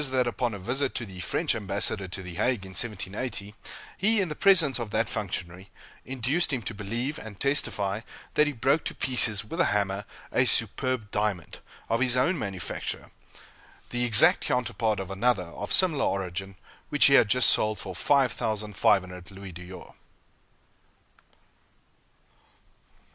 that upon a visit to the French ambassador to the Hague, in 1780, he, in the presence of that functionary, induced him to believe and testify that he broke to pieces, with a hammer, a superb diamond, of his own manufacture, the exact counterpart of another, of similar origin, which he had just sold for 5,500 louis d'or.